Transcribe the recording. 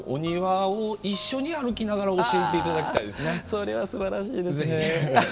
それはすばらしいですね。